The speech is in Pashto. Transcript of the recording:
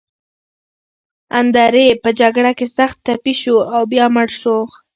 اندرې په جګړه کې سخت ټپي شو او بیا مړ شو.